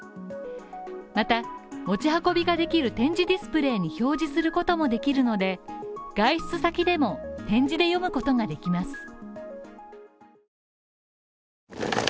また、持ち運びができる点字ディスプレイに表示することもできるので、外出先でも点字で読むことができます。